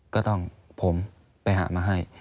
ก็ต้องผมไปหามาให้